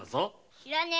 知らねえ。